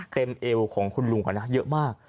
เอวของคุณลุงก่อนนะเยอะมาก